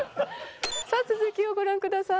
さあ続きをご覧ください。